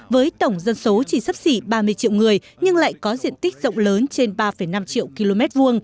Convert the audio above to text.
với tổng dân số chỉ sắp xỉ ba mươi triệu người nhưng lại có diện tích rộng lớn trên ba năm triệu km hai